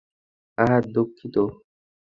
আহ, দুঃখিত।